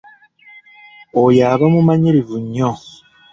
Oyo aba mumanyirivu nnyo.